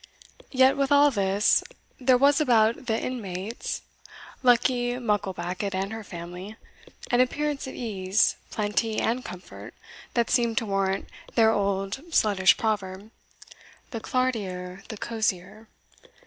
Yet, with all this, there was about the inmates, Luckie Mucklebackit and her family, an appearance of ease, plenty, and comfort, that seemed to warrant their old sluttish proverb, "The clartier the cosier."